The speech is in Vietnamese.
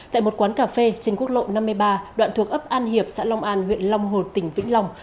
tại một quán cà phê trên quốc lộ năm mươi ba đoạn thuộc ấp an hiệp xã long an huyện long hồt tỉnh vĩnh long